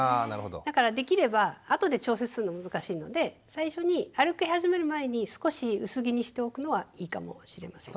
だからできればあとで調節するの難しいので最初に歩き始める前に少し薄着にしておくのはいいかもしれません。